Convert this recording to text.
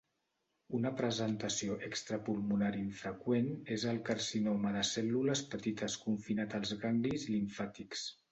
Una presentació extrapulmonar infreqüent és el carcinoma de cèl·lules petites confinat als ganglis limfàtics.